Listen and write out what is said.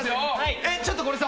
えっちょっとこれさ